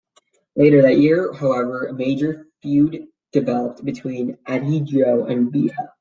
Later that year, however, a major feud developed between Ahidjo and Biya.